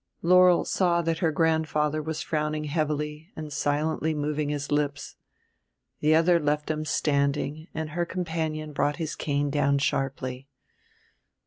Laurel saw that her grandfather was frowning heavily and silently moving his lips. The other left them standing and her companion brought his cane down sharply.